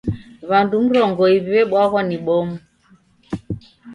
W'andu mrongo iw'i w'ebwaghwa ni bomu.